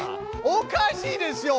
おかしいですよ